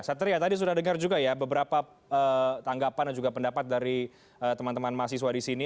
satria tadi sudah dengar juga ya beberapa tanggapan dan juga pendapat dari teman teman mahasiswa di sini